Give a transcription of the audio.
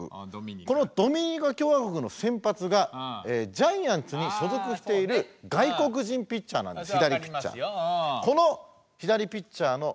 このドミニカ共和国の先発がジャイアンツに所属している外国人ピッチャーなんです左ピッチャー。